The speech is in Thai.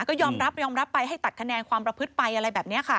ก็ยอมรับยอมรับไปให้ตัดคะแนนความประพฤติไปอะไรแบบนี้ค่ะ